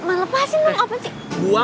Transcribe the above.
lo lepasin dong apa sih